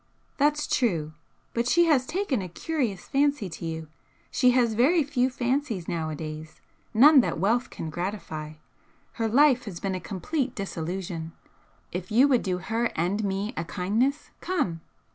"That's true. But she has taken a curious fancy to you. She has very few fancies nowadays, none that wealth can gratify. Her life has been a complete disillusion. If you would do her and me a kindness, come!"